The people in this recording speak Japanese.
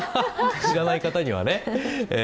知らない方にはね。